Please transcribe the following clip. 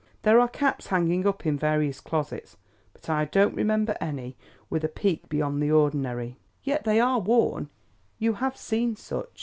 There are caps hanging up in various closets, but I don't remember any with a peak beyond the ordinary." "Yet they are worn? You have seen such?"